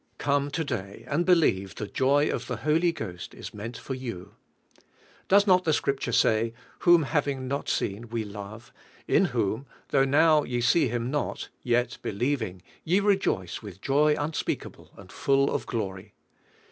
Come to day and believe the joy of the Holy Ghost is meant for you. Does not the Scripture say, "Whom not having seen we love; in whom, though now^^e see Him not, yet believing ye rejoice with joy un speakable and full of glory."